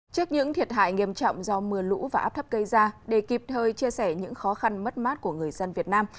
trước những thiệt hại nghiêm trọng do mưa lũ và áp thấp cây ra để kịp thời chia sẻ những khó khăn mất mát của người dân việt nam